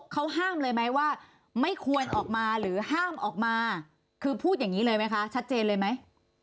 เขาห้ามเลยไหมว่าไม่ควรออกมาหรือห้ามออกมาคือพูดอย่างนี้เลยไหมคะชัดเจนเลยไหม